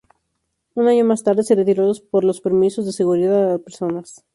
Un año más tarde, se retiró los permisos de seguridad a personas.